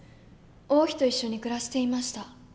王妃と一緒に暮らしていました。